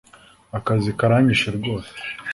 akazi karanyishe rwose